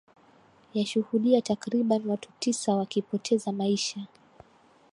yashuhudia takriban watu tisa wakipoteza maisha